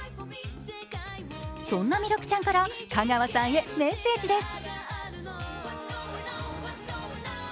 そんな弥勒ちゃんから香川さんへメッセージです。